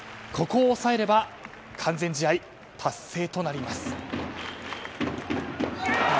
ここを抑えれば完全試合、達成となります。